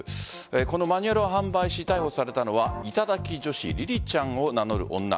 このマニュアルを販売し逮捕されたのは頂き女子りりちゃんを名乗る女。